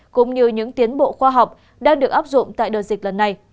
cũng như những tiến bộ khoa học đang được áp dụng tại đợt dịch lần này